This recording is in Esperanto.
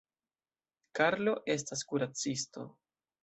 Karlo estas kuracisto.